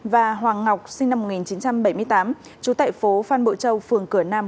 và hoàng ngọc sinh năm một nghìn chín trăm bảy mươi tám trú tại phố phan bội châu phường cửa nam